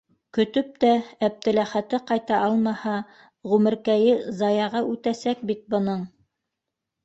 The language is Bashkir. Көтөп тә Әптеләхәте ҡайта алмаһа, ғүмеркәйе заяға үтәсәк бит бының!